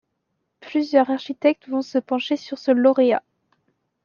Plusieurs architectes vont se pencher sur ce lauréat.